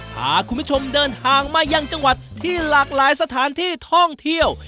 พาคุณผู้ชมเดินทางมายังจังหวัดที่หลากหลายสถานที่ท่องเที่ยว